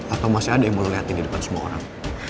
atau masih ada yang mau lihat ini di depan semua orang